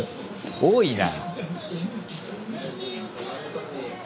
多いな。